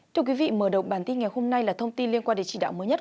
thưa quý vị mở đầu bản tin ngày hôm nay là thông tin liên quan đến chỉ đạo mới nhất